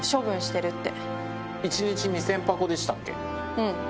うん。